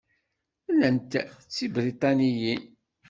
Llant d Tibriṭaniyin.